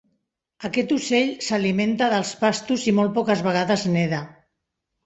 Aquest ocell s"alimenta dels pastos i molt poques vegades neda.